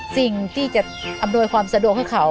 สิ่งที่จะอำนวยความสะดวกให้เขา